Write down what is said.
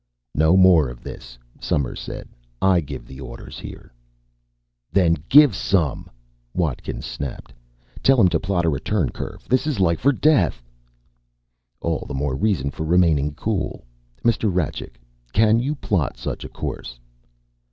"No more of this," Somers said. "I give the orders here." "Then give some!" Watkins snapped. "Tell him to plot a return curve. This is life or death!" "All the more reason for remaining cool. Mr. Rajcik, can you plot such a course?"